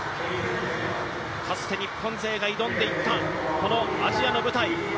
かつて日本勢が挑んでいったこのアジアの舞台。